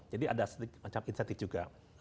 jadi ada sedikit insentif juga